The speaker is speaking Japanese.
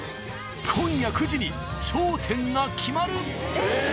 今夜９時に頂点が決まる。